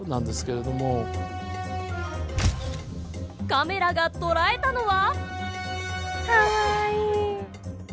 カメラが捉えたのは！